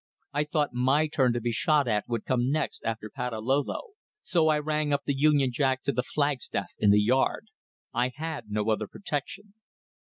I thought my turn to be shot at would come next after Patalolo, so I ran up the Union Jack to the flagstaff in the yard. I had no other protection.